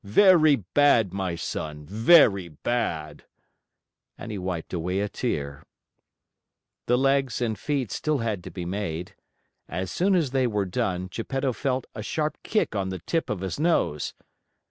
Very bad, my son, very bad!" And he wiped away a tear. The legs and feet still had to be made. As soon as they were done, Geppetto felt a sharp kick on the tip of his nose.